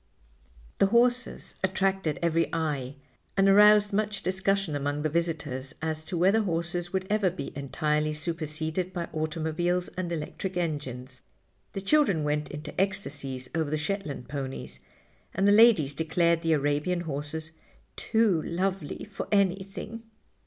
The horses attracted every eye and aroused much discussion among the visitors as to whether horses would ever be entirely superseded by automobiles and electric engines. The children went into ecstacies over the Shetland ponies, and the ladies declared the Arabian horses "too lovely for anything."